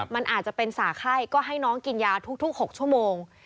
มันอาจจะเป็นสาไข้ก็ให้น้องกินยาทุก๖ชั่วโมง